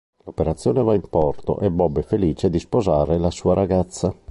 L'operazione va in porto e Bob è felice di sposare la sua ragazza.